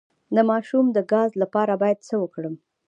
د ماشوم د ګاز لپاره باید څه وکړم؟